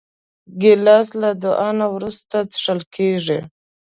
ګیلاس له دعا نه وروسته څښل کېږي.